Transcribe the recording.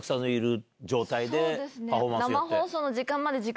そうですね。